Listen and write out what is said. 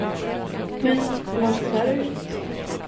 Men, lades det där ut?